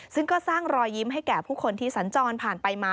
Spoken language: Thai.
ซึ่งก็สร้างรอยยิ้มให้แก่ผู้คนที่สัญจรผ่านไปมา